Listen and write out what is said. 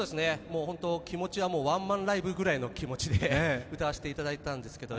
気持ちはワンマンライブぐらいの気持ちで歌わせてもらってたんですけど、